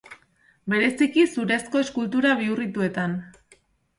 Bereziki zurezko eskultura bihurrituetan.